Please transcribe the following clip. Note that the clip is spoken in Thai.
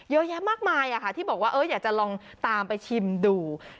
เยอะแยะมากมายที่บอกว่าอยากจะลองตามไปชิมดู